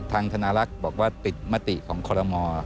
ทางธนารักษ์บอกว่าติดมติของคอลโลมอล์